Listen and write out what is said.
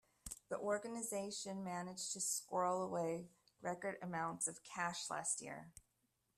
The organisation managed to squirrel away record amounts of cash last year.